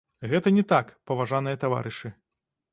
Гэта не так, паважаныя таварышы.